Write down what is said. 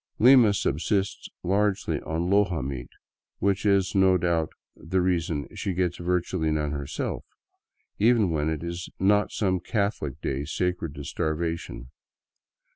Lima subsists largely on Loja meat, which is, no doubt, the reason she gets virtually none herself, even when it is not some Catholic day sacred to starvation.